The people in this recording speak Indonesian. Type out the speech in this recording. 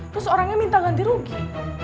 terus orangnya minta ganti rugi